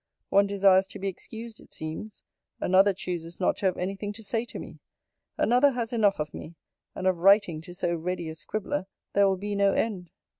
One desires to be excused, it seems: another chooses not to have any thing to say to me: another has enough of me: and of writing to so ready a scribbler, there will be no end.